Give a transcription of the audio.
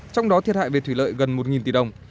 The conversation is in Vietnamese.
trong đó thiệt hại về thủy lợi gần một tỷ đồng